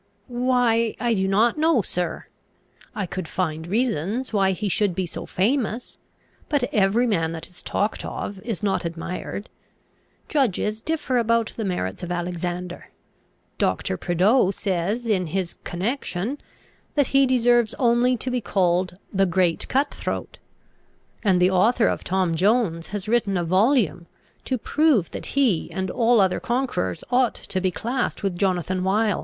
"Why, I do not know, sir. I could find reasons why he should be so famous; but every man that is talked of is not admired. Judges differ about the merits of Alexander. Doctor Prideaux says in his Connection, that he deserves only to be called the Great Cut throat; and the author of Tom Jones has written a volume, to prove that he and all other conquerors ought to be classed with Jonathan Wild."